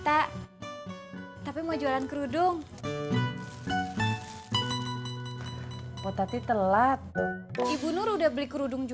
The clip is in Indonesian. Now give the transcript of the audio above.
assalamu'alaikum protot las window nyor chambers